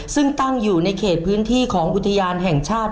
ซึ่งตั้งอยู่ในเขตพื้นที่ของอุทยานแห่งชาติ